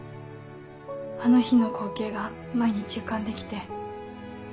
あの日の光景が毎日浮かんで来て。